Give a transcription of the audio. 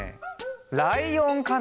ライオンかな。